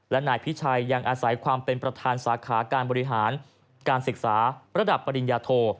และนายพิชัยยังอาศัยความเป็นประธานสาขาการบริหารการศึกษาระดับปริญญาโท